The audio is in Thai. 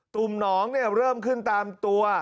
ุ่มหนองเริ่มขึ้นตามตัว